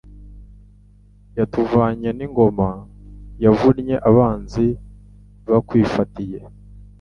Yatuvanye n'ingoma, Yavunnye abanzi bakwifatiye,